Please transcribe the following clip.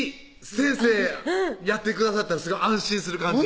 先生やってくださったらすごい安心する感じ